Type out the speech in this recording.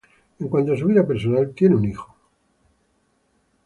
En cuanto a su vida personal, tiene un hijo.